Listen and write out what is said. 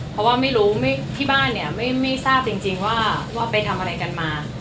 เพราะว่าไม่รู้ที่บ้านเนี่ยไม่ทราบจริงว่าไปทำอะไรกันมา